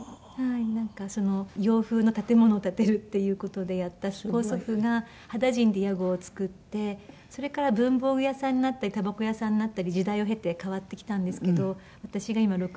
なんか洋風の建物を建てるっていう事でやった高祖父が羽田甚で屋号を作ってそれから文房具屋さんになったりたばこ屋さんになったり時代を経て変わってきたんですけど私が今６代目をネットでやってるんですね。